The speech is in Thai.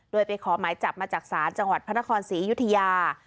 โดยไปขอหมายจับมาจากศาลจังหวัดพระนครศรีอยุธยา